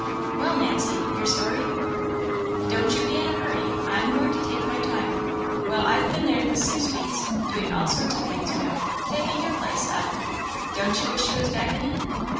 "Well, Nancy your story?" "Don't you be in a hurry. I am going to take my time. Well, I've been there this six weeks, doing all sorts of things, you know taking your place, Ellen don't you wish you was back in it?